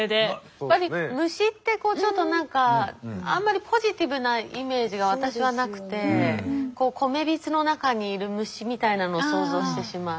やっぱり虫ってこうちょっと何かあんまりポジティブなイメージが私はなくて米びつの中にいる虫みたいなのを想像してしまう。